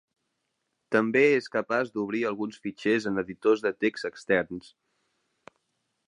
També és capaç d'obrir alguns fitxers en editors de text externs.